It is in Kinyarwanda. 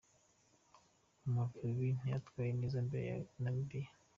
Amavubi ntiyitwaye neza imbere ya Namibia